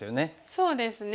そうですね。